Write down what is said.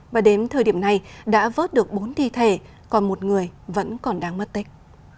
và đến thời điểm này đã vớt được bốn thi thể còn một người vẫn còn đang mất tích